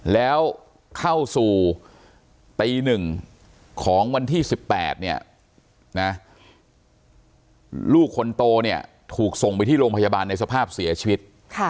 แล้วเข้าสู่ตี๑ของวันที่๑๘เนี่ยนะลูกคนโตเนี่ยถูกส่งไปที่โรงพยาบาลในสภาพเสียชีวิต